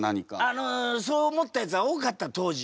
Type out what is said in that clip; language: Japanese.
あのそう思ったやつは多かった当時。